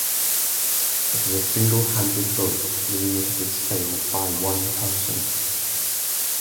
It is a singlehanded boat, meaning that it is sailed by one person.